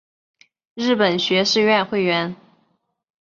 日本学士院会员。